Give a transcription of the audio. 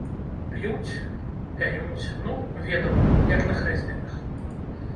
П'юць, пяюць, ну, ведама, як на хрэсьбінах.